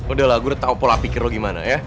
udah lah gue tau pola pikir lo gimana ya